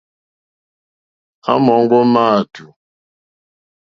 À mɔ̀ŋɡɔ́ máàtù,.